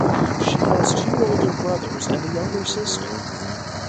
She has two older brothers and a younger sister.